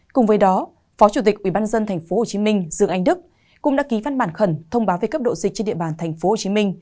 cùng với đó phó chủ tịch ubnd tp hcm dương anh đức cũng đã ký văn bản khẩn thông báo về cấp độ dịch trên địa bàn tp hcm